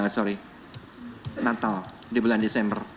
sorry natal di bulan desember